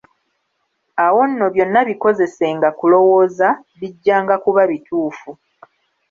Awo nno byonna bikozesenga kulowooza, bijjanga kuba bituufu.